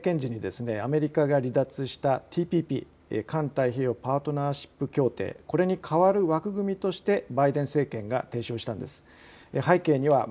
トランプ前政権時にアメリカが離脱したＴＰＰ・環太平洋パートナーシップ協定、これに代わる枠組みとしてバイデン政権が提唱したんです。